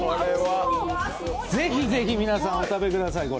ぜひぜひ皆さん、お食べください。